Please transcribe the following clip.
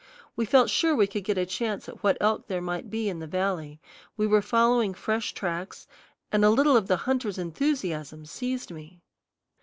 We felt sure we could get a chance at what elk there might be in the valley. We were following fresh tracks, and a little of the hunter's enthusiasm seized me.